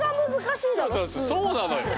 そうなのよ。